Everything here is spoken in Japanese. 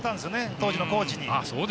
当時のコーチに。